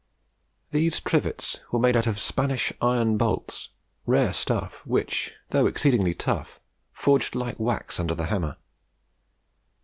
These "Trivets" were made out of Spanish iron bolts rare stuff, which, though exceedingly tough, forged like wax under the hammer.